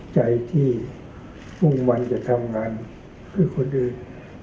ใจที่มุ่งวันจะทำงานเพื่อคนอื่น